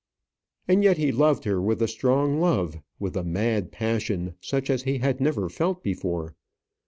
And yet he loved her with a strong love, with a mad passion such as he had never felt before.